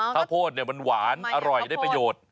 ข้าวโพดเนี่ยมันหวานอร่อยได้ประโยชน์